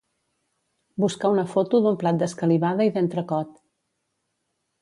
Buscar una foto d'un plat d'escalivada i d'entrecot.